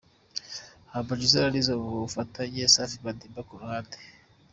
Humble Jizzo na Nizzo mu bufatanye, Safi Madiba ku ruhande.